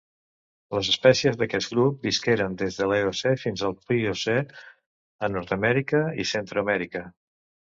Les espècies d'aquest grup visqueren des de l'Eocè fins al Pliocè a Nord-amèrica i Centreamèrica.